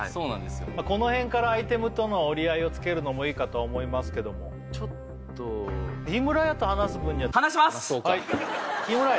この辺からアイテムとの折り合いをつけるのもいいかと思いますけどちょっとヒムラヤと話す分にはヒムラヤ？